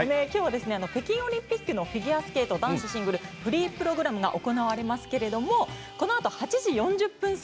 きょうは北京オリンピックのフィギュアスケート男子シングル・フリープログラムが行われますけれども、このあと８時４０分